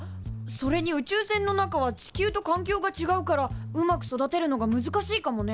それに宇宙船の中は地球とかん境がちがうからうまく育てるのが難しいかもね。